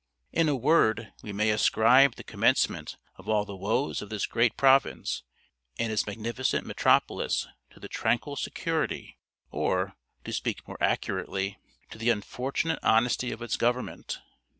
In a word, we may ascribe the commencement of all the woes of this great province and its magnificent metropolis to the tranquil security, or, to speak more accurately, to the unfortunate honesty of its government.